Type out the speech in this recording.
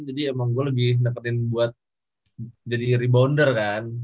jadi emang gue lebih deketin buat jadi rebounder kan